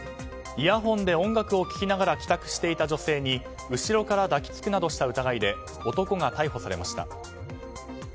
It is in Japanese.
イヤホンで音楽を聴きながら帰宅していた女性に後ろから抱き着くなどした疑いで男が逮捕されました。